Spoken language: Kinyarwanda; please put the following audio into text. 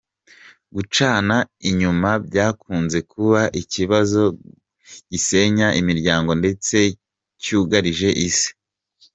Gucana inyuma byakunze kuba ikibazo gisenya imiryango ndetse cyugarije Isi.